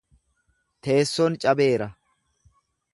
Teessoon cabeera.